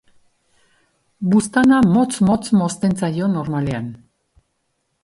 Buztana motz-motz mozten zaio normalean.